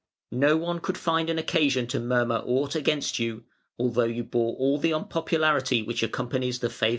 No one could find an occasion to murmur aught against you, although you bore all the unpopularity which accompanies the favour of a prince".